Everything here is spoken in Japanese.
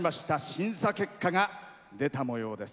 審査結果が出たもようです。